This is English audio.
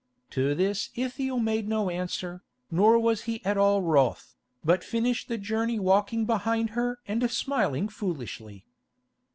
To this Ithiel made no answer, nor was he at all wroth, but finished the journey walking behind her and smiling foolishly.